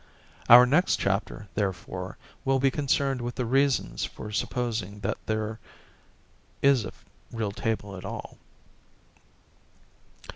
Our next chapter, therefore, will be concerned with the reasons for supposing that there is a real table at all.